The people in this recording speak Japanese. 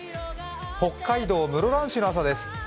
北海道室蘭市の朝です。